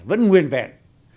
vẫn nguyên vẹn